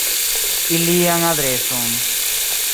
Ilian adreson.